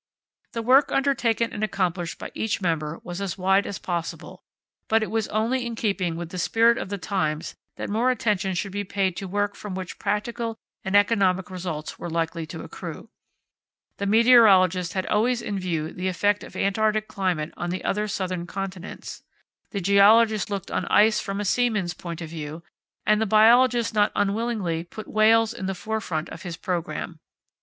The work undertaken and accomplished by each member was as wide as possible; but it was only in keeping with the spirit of the times that more attention should be paid to work from which practical and economic results were likely to accrue. The meteorologist had always in view the effect of Antarctic climate on the other southern continents, the geologist looked on ice from a seaman's point of view, and the biologist not unwillingly put whales in the forefront of his programme.